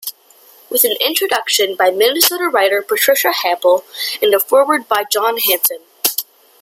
With an introduction by Minnesota writer Patricia Hampl and a foreword by John Hanson.